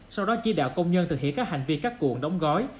sau đó chỉ đạo công nhân thực hiện các hành vi cắt cuộn đóng gói